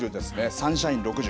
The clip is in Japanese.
サンシャイン６０。